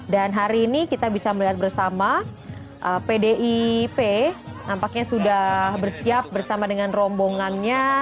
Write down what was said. dan hari ini kita bisa melihat bersama pdip nampaknya sudah bersiap bersama dengan rombongannya